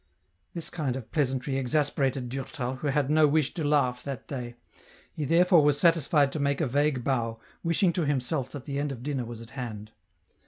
" This kind of pleasantry exasperated Durtai, who had no wish to laugh that day ; he therefore was satisfied to make a vague bow, wishing to himself that the end of dinner was at hand.